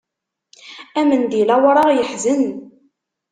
Amendil awraɣ yeḥzen.